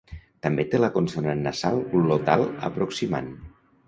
També té la consonant nasal glotal aproximant.